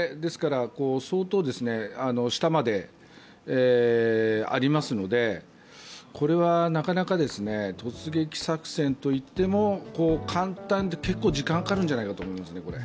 相当下までありますので、これはなかなか、突撃作戦といっても結構時間がかかるんじゃないかと思います。